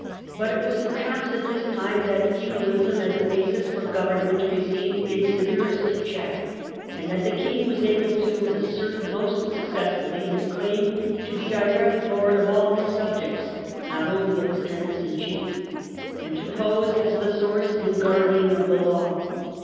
but it was perhaps at this time that feudalism as a basis of government received its severest check, and that the King was able to assert most successfully his claim to be direct lord of all his subjects, not only of his tenants in chief, and to pose as the source and guardian of the law.